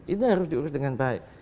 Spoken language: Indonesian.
itu harus diurus dengan baik